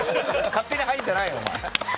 勝手に入るんじゃないよ。